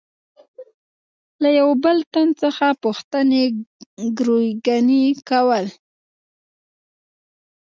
له یوه بل تن څخه پوښتنې ګروېږنې کول.